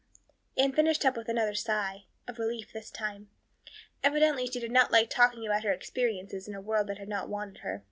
Anne finished up with another sigh, of relief this time. Evidently she did not like talking about her experiences in a world that had not wanted her.